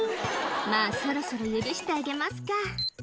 「まぁそろそろ許してあげますか」